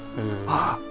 ああ！